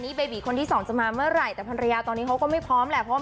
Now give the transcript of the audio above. แต่ถ้าถามมันพยายามไหม